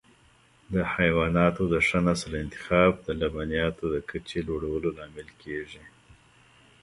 د حیواناتو د ښه نسل انتخاب د لبنیاتو د کچې لوړولو لامل کېږي.